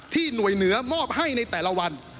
หน่วยเหนือมอบให้ในแต่ละวัน